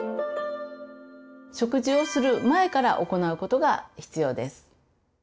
食事をする前から行うことが必要です。